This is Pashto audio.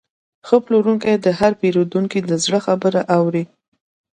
ښه پلورونکی د هر پیرودونکي د زړه خبره اوري.